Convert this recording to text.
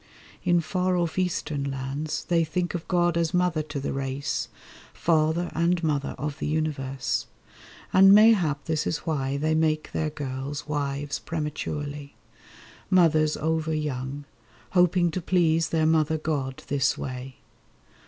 In far off Eastern lands They think of God as Mother to the race; Father and Mother of the Universe. And mayhap this is why they make their girls Wives prematurely, mothers over young, Hoping to please their Mother God this way.